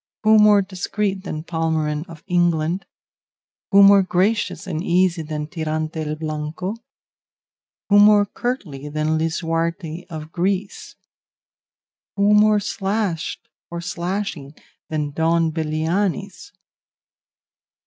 Who more discreet than Palmerin of England? Who more gracious and easy than Tirante el Blanco? Who more courtly than Lisuarte of Greece? Who more slashed or slashing than Don Belianis?